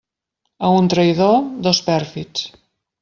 A un traïdor, dos pèrfids.